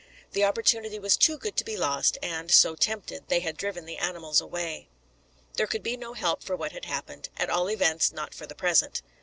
The opportunity was too good to be lost, and, so tempted, they had driven the animals away. There could be no help for what had happened, at all events, not for the present.